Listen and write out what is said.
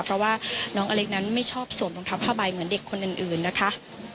เพราะว่าน้องอเล็กนั้นไม่ชอบสวมรองเท้าผ้าใบเหมือนเด็กคนอื่นนะคะ